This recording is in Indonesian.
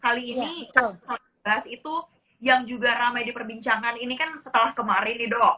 kali ini saya bahas itu yang juga ramai diperbincangkan ini kan setelah kemarin nih dok